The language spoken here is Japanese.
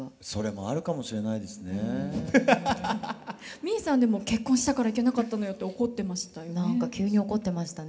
実衣さんでも「結婚したからいけなかったのよ」って怒ってましたよね。